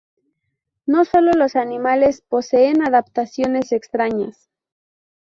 No sólo los animales poseen adaptaciones extrañas.